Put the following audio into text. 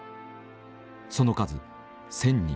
その数１，０００人。